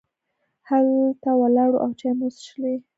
هلته ولاړو او چای مو وڅښلې.